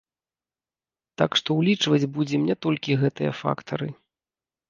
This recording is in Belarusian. Так што ўлічваць будзем не толькі гэтыя фактары.